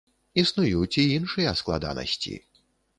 Існуюць і іншыя складанасці.